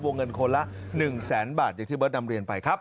เงินคนละ๑แสนบาทอย่างที่เบิร์ตนำเรียนไปครับ